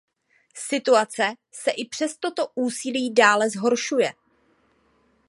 Situace se i přes toto úsilí dále zhoršuje.